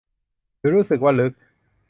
หรือรู้สึกว่าลึก